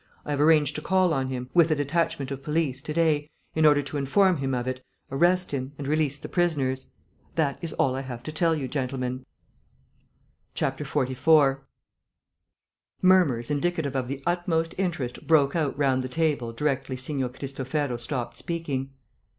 I have arranged to call on him, with a detachment of police, to day, in order to inform him of it, arrest him, and release the prisoners. That is all I have to tell you, gentlemen." 44 Murmurs indicative of the utmost interest broke out round the table directly Signor Cristofero stopped speaking.